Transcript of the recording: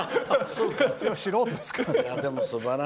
素人ですから。